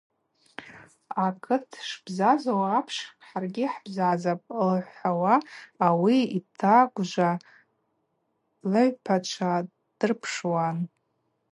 Акыт шбзазауа апш хӏаргьи хӏбзазапӏ,–лхӏвауа ауи йтагвжва лыгӏвпачва дырпшуан.